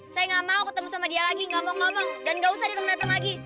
saya nggak mau ketemu sama dia lagi nggak mau ngomong dan nggak usah ditemu dateng lagi